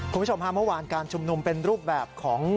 คุณผู้ชมฮะเมื่อวานการชุมนุมเป็นรูปแบบของ